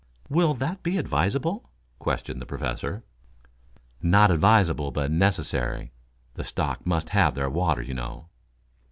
"Will that be advisable?" questioned the Professor. "Not advisable, but necessary. The stock must have their water you know."